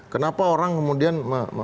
kenapa orang kemudian